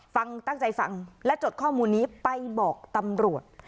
ฟังตั้งใจฟังและจดข้อมูลนี้ไปบอกตำรวจ